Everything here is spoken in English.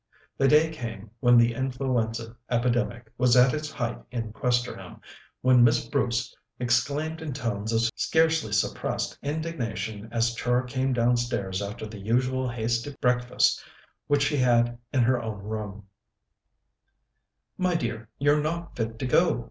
The day came, when the influenza epidemic was at its height in Questerham, when Miss Bruce exclaimed in tones of scarcely suppressed indignation as Char came downstairs after the usual hasty breakfast which she had in her own room: "My dear, you're not fit to go.